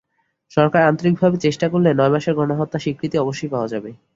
সরকার আন্তরিকভাবে চেষ্টা করলে নয় মাসের গণহত্যার স্বীকৃতি অবশ্যই পাওয়া যাবে।